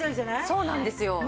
そうなんですよ。